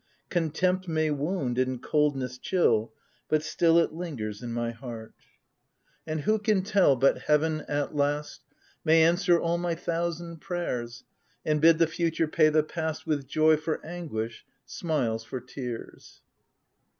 Contempt may wound, and coldness chill, But still it lingers in my heart. 350 THE TENANT And who can tell but Heaven, at last, May answer all my thousand prayers, And bid the future pay the past With joy for anguish, smiles for tears